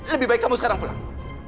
lebih baik kamu sekarang pulang